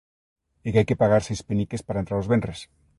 É que hai que pagar seis peniques para entrar os venres.